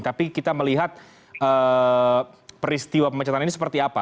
tapi kita melihat peristiwa pemecatan ini seperti apa